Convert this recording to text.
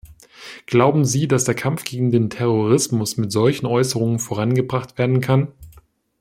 Glauben Sie, dass der Kampf gegen den Terrorismus mit solchen Äußerungen vorangebracht werden kann?